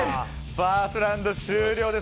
ファーストラウンド終了です。